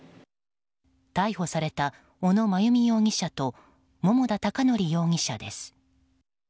逮捕された小野真由美容疑者と桃田貴徳容疑者です。